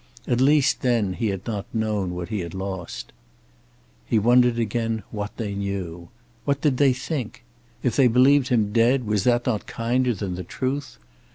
At least then he had not known what he had lost. He wondered again what they knew. What did they think? If they believed him dead, was that not kinder than the truth?